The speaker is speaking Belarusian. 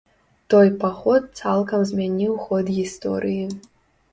Той паход цалкам змяніў ход гісторыі.